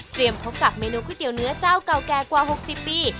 พบกับเมนูก๋วยเตี๋ยวเนื้อเจ้าเก่าแก่กว่า๖๐ปี